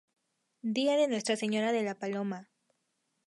Dia De Nuestra Señora De La Paloma.